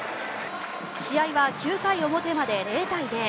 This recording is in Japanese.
試合は９回表まで０対０。